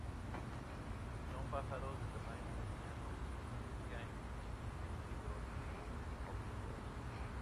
Son pájaros de tamaño mediano, en su mayoría insectívoros u omnívoros.